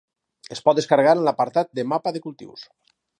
Es pot descarregar en l'apartat de mapa de cultius.